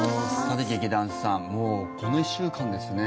さて、劇団さんもうこの１週間ですね